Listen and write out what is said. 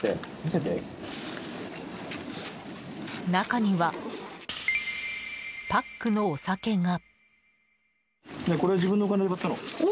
中には、パックのお酒が。